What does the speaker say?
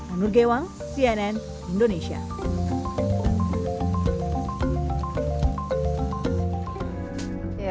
anur gewang cnn indonesia